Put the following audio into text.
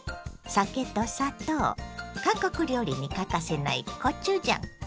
酒と砂糖韓国料理に欠かせないコチュジャン。